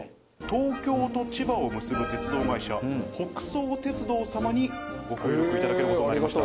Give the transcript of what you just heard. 東京と千葉を結ぶ鉄道会社、北総鉄道様にご協力いただけることになりました。